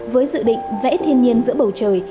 với dự định vẽ thiên nhiên giữa bầu trời